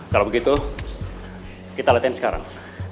kalau begitu kita lihatin sekarang